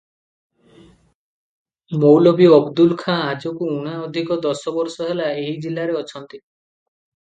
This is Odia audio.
ମୌଲବୀ ଅବଦୁଲ ଖାଁ ଆଜକୁ ଊଣା ଅଧିକ ଦଶ ବରଷ ହେଲା ଏହି ଜିଲାରେ ଅଛନ୍ତି ।